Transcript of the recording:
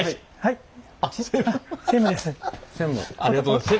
ありがとうございます。